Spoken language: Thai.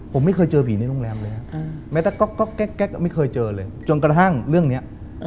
ผมไม่เคยเจอผีในโรงแรมเลยฮะแม้แต่ก๊อกแก๊กไม่เคยเจอเลยจนกระทั่งเรื่องนี้